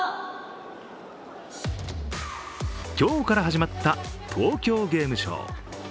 今日から始まった東京ゲームショウ。